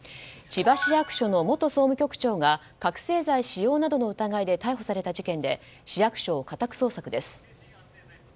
千葉市役所の元総務局長が覚醒剤使用などの疑いで逮捕された事件で市役所を家宅捜索です。